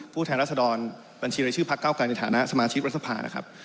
แทนรัศดรบัญชีรายชื่อพักเก้าไกรในฐานะสมาชิกรัฐสภานะครับ